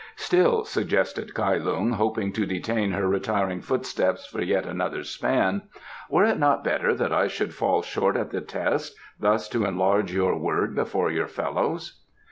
"Still," suggested Kai Lung, hoping to detain her retiring footsteps for yet another span, "were it not better that I should fall short at the test, thus to enlarge your word before your fellows?"